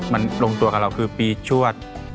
มันลงตัวกับเราคือปีชวด